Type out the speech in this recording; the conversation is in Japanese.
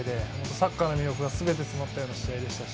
サッカーの魅力がすべて詰まったような試合でしたし